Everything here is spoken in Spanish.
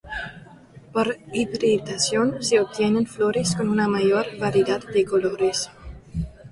Por hibridación se obtienen flores con una mayor variedad de colores.